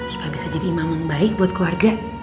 supaya bisa jadi imam yang baik buat keluarga